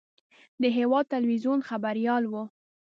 د هېواد تلویزیون خبریال و.